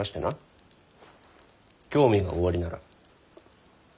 興味がおありなら。